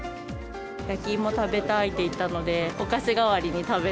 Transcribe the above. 焼き芋食べたいって言ったのどう？